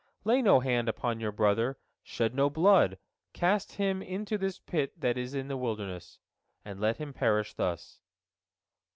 Lay no hand upon your brother, shed no blood, cast him into this pit that is in the wilderness, and let him perish thus.